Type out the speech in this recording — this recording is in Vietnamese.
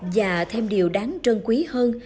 và thêm điều đáng trân quý hơn là